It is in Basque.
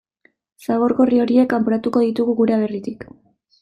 Zabor gorri horiek kanporatuko ditugu gure aberritik.